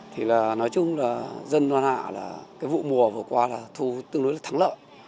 thì là nói chung là dân đoàn hạ là cái vụ mùa vừa qua là thu tương đối là thắng lợi